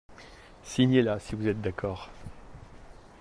Signez là, si vous êtes d’accord.